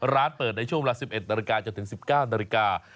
ร้านเปิดในช่วงเวลา๑๑นาฬิกาจนถึง๑๙นาฬิกา